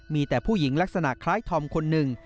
มีแต่ผู้หญิงลักษณะคล้ายธอมคนหนึ่ง